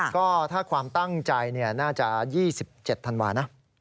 ก็ถ้าความตั้งใจน่าจะ๒๗ธันวานะ